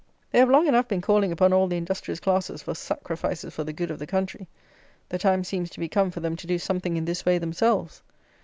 They have long enough been calling upon all the industrious classes for "sacrifices for the good of the country." The time seems to be come for them to do something in this way themselves.